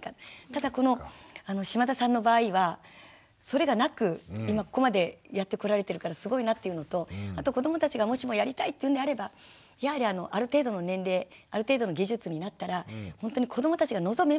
ただこの嶋田さんの場合はそれがなく今ここまでやってこられてるからすごいなっていうのとあと子どもたちがもしもやりたいっていうのであればやはりある程度の年齢ある程度の技術になったらほんとに子どもたちが望めばですね